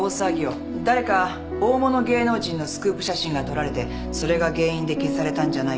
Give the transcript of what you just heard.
誰か大物芸能人のスクープ写真が撮られてそれが原因で消されたんじゃないかって。